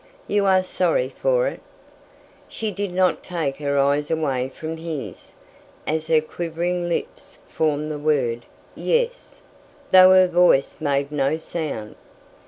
"You are sorry for it?" She did not take her eyes away from his, as her quivering lips formed the word "Yes," though her voice made no sound.